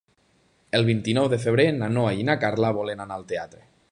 El vint-i-nou de febrer na Noa i na Carla volen anar al teatre.